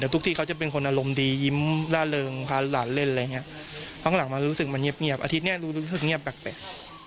ทุกที่เขาจะเป็นคนอารมณ์ดียิ้มล่าเริงพาหลานเล่นอะไรอย่างเงี้ยครั้งหลังมันรู้สึกมันเงียบอาทิตย์เนี้ยรู้สึกเงียบแปลก